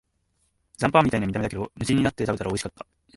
残飯みたいな見た目だけど、無心になって食べたらおいしかった